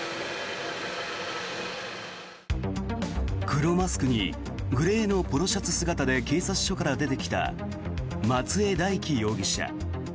黒マスクにグレーのポロシャツ姿で警察署から出てきた松江大樹容疑者。